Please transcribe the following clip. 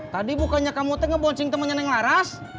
tadi bukannya kamu tuh ngebonsing temennya yang laras